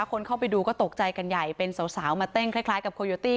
คนเข้าไปดูก็ตกใจกันใหญ่เป็นสาวมาเต้นคล้ายกับโคโยตี้